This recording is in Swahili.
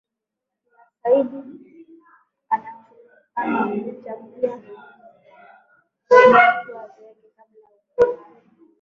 ina saidi inakuchangia zaidi mtu azeeke kabla ya umri wake